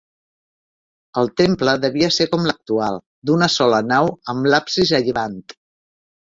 El temple devia ser com l'actual: d'una sola nau, amb l'absis a llevant.